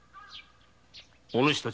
お主たち